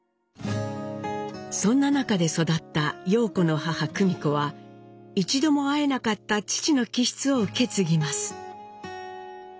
そんな中で育った陽子の母久美子は一度も会えなかった父の気質を受け継ぎます。